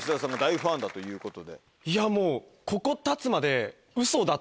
いやもう。